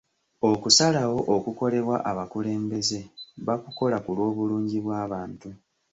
Okusalawo okukolebwa abakulembeze, bakukola ku lw'obulungi bw'abantu.